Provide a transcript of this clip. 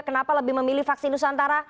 kenapa lebih memilih vaksin nusantara